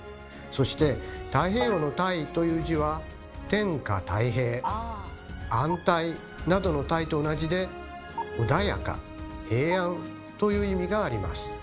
そして太平洋の「太」という字は「天下泰平」「安泰」などの「泰」と同じで「穏やか」「平安」という意味があります。